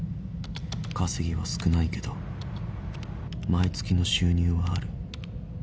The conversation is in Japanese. ［稼ぎは少ないけど毎月の収入はある］